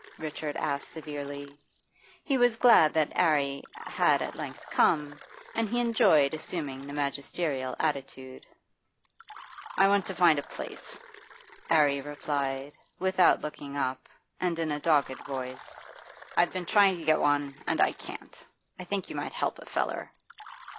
Richard asked severely. He was glad that 'Arry had at length come, and he enjoyed assuming the magisterial attitude. 'I want to find a place,' 'Arry replied, without looking up, and in a dogged voice. 'I've been trying to get one, and I can't. I think you might help a feller.